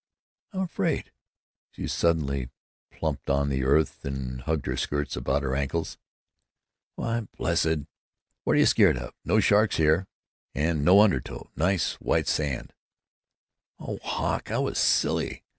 "I'm af fraid!" She suddenly plumped on the earth and hugged her skirts about her ankles. "Why, blessed, what you scared of? No sharks here, and no undertow. Nice white sand——" "Oh, Hawk, I was silly.